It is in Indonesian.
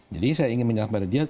jadi saya ingin menyalahkan pada dia